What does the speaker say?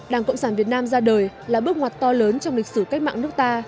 đảng cộng sản việt nam ra đời là bước ngoặt to lớn trong lịch sử cách mạng nước ta